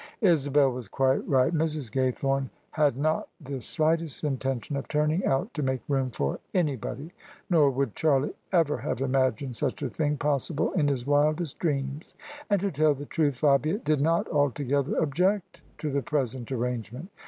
Isabel was quite right. Mrs. Gaythome had not the slightest intention of tuming out to make room for any body; nor would Charlie ever have imagined such a thing possible in his wildest dreams. And, to tell the truth, Fabia did not altogether object to the present arrangement.